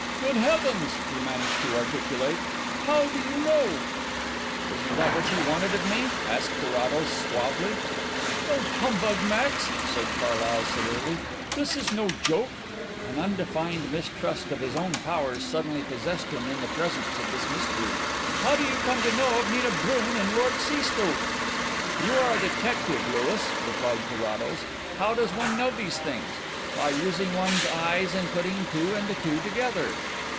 "Good heavens!" he managed to articulate, "how do you know?" "Isn't that what you wanted of me?" asked Carrados suavely. "Don't humbug, Max," said Carlyle severely. "This is no joke." An undefined mistrust of his own powers suddenly possessed him in the presence of this mystery. "How do you come to know of Nina Brun and Lord Seastoke?" "You are a detective, Louis," replied Carrados. "How does one know these things? By using one's eyes and putting two and two together."